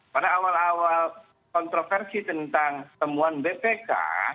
pada awal awal kontroversi tentang temuan bpk